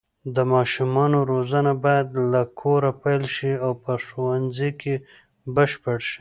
د ماشومانو روزنه باید له کوره پیل شي او په ښوونځي کې بشپړه شي.